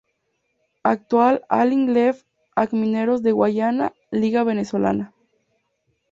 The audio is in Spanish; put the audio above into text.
Actual||align=left| Ac Mineros De Guayana||Liga venezolana